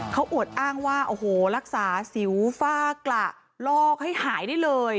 เขาอวดอ้างว่าโอ้โหรักษาสิวฝ้ากระลอกให้หายได้เลย